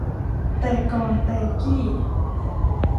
แต่ก่อนแต่กี้